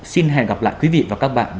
xin hẹn gặp lại quý vị và các bạn